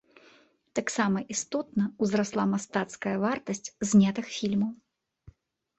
Таксама істотна ўзрасла мастацкая вартасць знятых фільмаў.